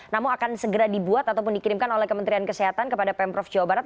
namun akan segera dibuat ataupun dikirimkan oleh kementerian kesehatan kepada pemprov jawa barat